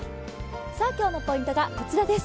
今日のポイントがこちらです。